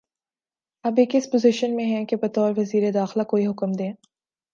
اب یہ کس پوزیشن میں ہیں کہ بطور وزیر داخلہ کوئی حکم دیں